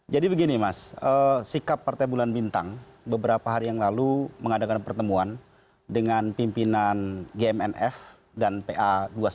jadi begini mas sikap partai bulan bintang beberapa hari yang lalu mengadakan pertemuan dengan pimpinan gmnf dan pa dua ratus dua belas